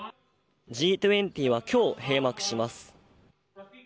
Ｇ２０は今日閉幕します。